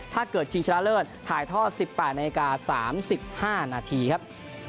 ถ้าเกิดชิงชนะเลิศถ่ายท่อ๑๘นาที๓๕นาทีครับ